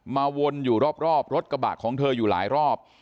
วนอยู่รอบรถกระบะของเธออยู่หลายรอบ